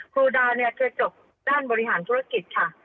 ครูดาเนี่ยเคยจบด้านบริหารธุรกิจค่ะ